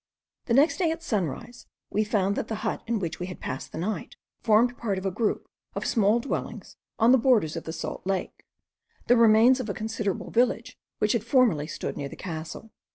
The next day at sunrise we found that the hut in which we had passed the night formed part of a group of small dwellings on the borders of the salt lake, the remains of a considerable village which had formerly stood near the castle.